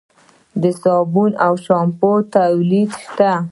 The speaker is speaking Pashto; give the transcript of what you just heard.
د صابون او شامپو تولید شته؟